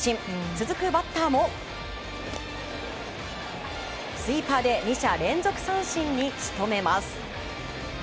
続くバッターもスイーパーで２者連続三振に仕留めます。